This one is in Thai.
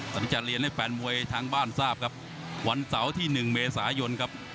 อันนี้จะเรียนให้แฟนมวยทางบ้านทราบครับวันเสาร์ที่๑เมษายนครับ